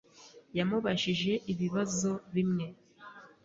Yamubajije ibibazo bimwe.